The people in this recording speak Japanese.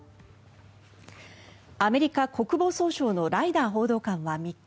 アメリカ国防総省のライダー報道官は３日